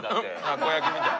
たこ焼きみたい。